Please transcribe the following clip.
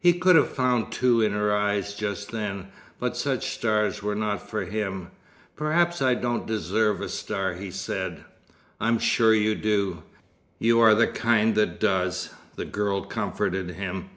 He could have found two in her eyes just then, but such stars were not for him. "Perhaps I don't deserve a star," he said. "I'm sure you do. You are the kind that does," the girl comforted him.